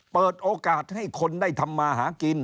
เปิดโอกาสให้คนได้ทำมาหากิน